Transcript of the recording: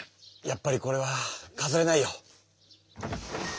やっぱりこれはかざれないよ。